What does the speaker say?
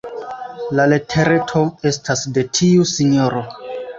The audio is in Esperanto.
La letereto estas de tiu sinjoro.